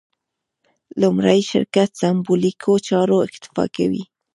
لومړي شرک سېمبولیکو چارو اکتفا کوي.